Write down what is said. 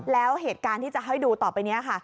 แล้วเหตุการณ์ที่จะให้ดูต่อไปนี้ค่ะ